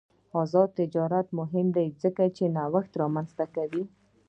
آزاد تجارت مهم دی ځکه چې نوښت رامنځته کوي.